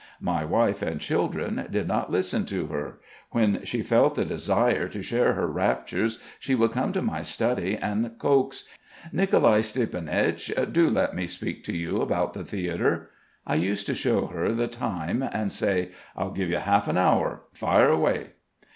My wife and children did not listen to her. When she felt the desire to share her raptures she would come to my study and coax: "Nicolai Stiepanich, do let me speak to you about the theatre." I used to show her the time and say: "I'll give you half an hour. Fire away!"